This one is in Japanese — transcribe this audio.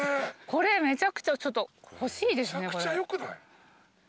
これめちゃくちゃちょっと欲しいですね。